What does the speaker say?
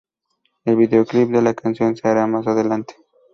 El video clip de la canción se hará más adelante.